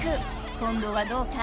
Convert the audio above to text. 今どはどうか？